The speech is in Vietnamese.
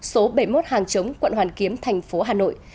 số bảy mươi một hàng chống quận hoàn kiếm tp hà nội